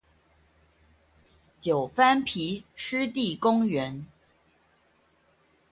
九番埤濕地公園